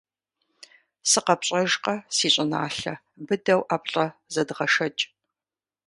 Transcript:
СыкъэпщӀэжкъэ, си щӀыналъэ, быдэу ӀэплӀэ зэдгъэшэкӀ.